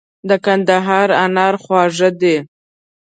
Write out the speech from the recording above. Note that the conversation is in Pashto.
د کندهار انار خواږه دي.